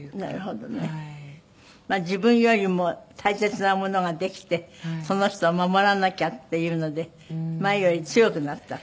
自分よりも大切なものができてその人を守らなきゃっていうので前より強くなったって。